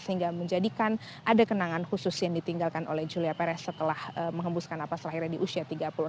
sehingga menjadikan ada kenangan khusus yang ditinggalkan oleh julia perez setelah mengembuskan nafas terakhirnya di usia tiga puluh enam